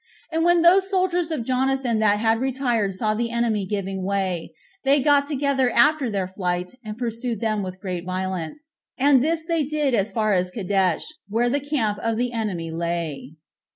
And when those soldiers of Jonathan that had retired saw the enemy giving way, they got together after their flight, and pursued them with great violence; and this did they as far as Cadesh, where the camp of the enemy lay.